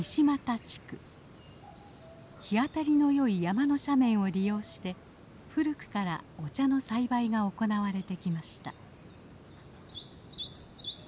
日当たりの良い山の斜面を利用して古くからお茶の栽培が行われてきました。